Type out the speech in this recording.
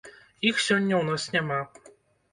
Іх сёння ў нас няма.